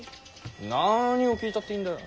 何を聞いたっていいんだ。